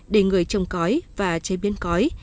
để người trồng cõi và chế biến cõi